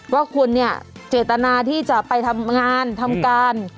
ว่าคุณเนี่ยเจตนาที่จะไปทำงานทำการ